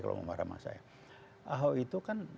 kalau ngomong marah sama saya ahok itu kan